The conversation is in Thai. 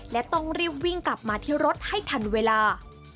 และต้องรีบวิ่งกลับมาที่รถให้ทันเวลา